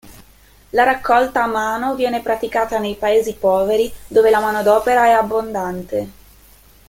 La raccolta a mano viene praticata nei paesi poveri, dove la manodopera è abbondante.